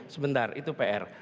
sebentar itu pr